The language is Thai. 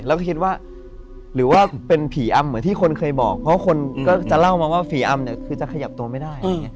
แล้วก็คิดว่าหรือว่าเป็นผีอำเหมือนที่คนเคยบอกเพราะคนก็จะเล่ามาว่าผีอำเนี่ยคือจะขยับตัวไม่ได้